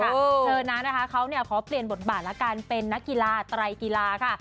เธอนั้นนะคะเขาเนี่ยขอเปลี่ยนบทบาทละกันเป็นนักกีฬาไตรกีฬาค่ะ